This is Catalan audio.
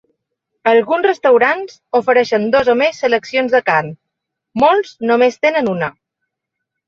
Alguns restaurants ofereixen dos o més seleccions de carn; molts només tenen una.